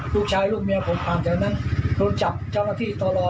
ลูกชายลูกเมียผมห่างจากนั้นโดนจับเจ้าหน้าที่ต่อรอ